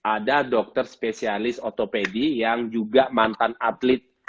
ada dokter spesialis otopedi yang juga mantan atlet